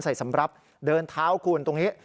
สำหรับเดินเท้าคุณตรงนี้